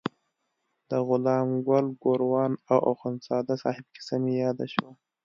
د غلام ګل ګوروان او اخندزاده صاحب کیسه مې یاده شوه.